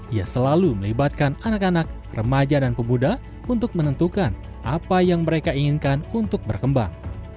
ia selalu melibatkan anak anak remaja dan pemuda untuk menentukan apa yang mereka inginkan untuk berkembang